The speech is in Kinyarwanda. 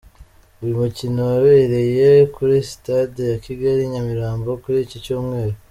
Uyu mukino wabereye kuri sitade ya Kigali i Nyamirambo kuri iki cyumweru.